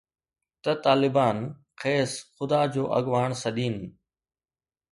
ته طالبان کيس خدا جو اڳواڻ سڏين